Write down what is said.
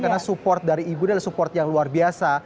karena support dari ibu adalah support yang luar biasa